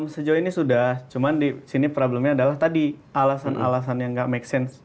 sejauh ini sudah cuman di sini problemnya adalah tadi alasan alasan yang nggak make sense